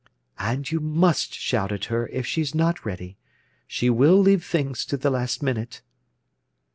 "And you must shout at her if she's not ready. She will leave things to the last minute."